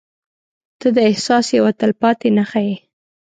• ته د احساس یوه تلپاتې نښه یې.